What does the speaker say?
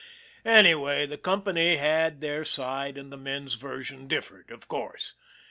Anyway, the company had their side, and the men's version differed of course.